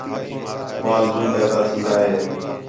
ٻال جوں پیدا تِھین٘دا ہے